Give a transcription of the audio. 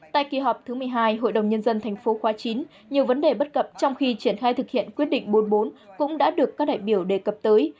tại kỳ họp thứ một mươi hai hội đồng nhân dân tp khóa chín nhiều vấn đề bất cập trong khi triển khai thực hiện quyết định bốn mươi bốn cũng đã được các đại biểu đề cập tới